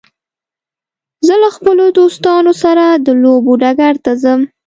زه له خپلو دوستانو سره د لوبو ډګر ته ځم.